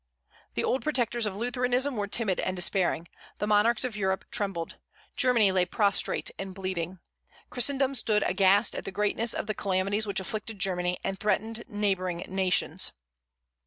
The old protectors of Lutheranism were timid and despairing. The monarchs of Europe trembled. Germany lay prostrate and bleeding. Christendom stood aghast at the greatness of the calamities which afflicted Germany and threatened neighboring nations.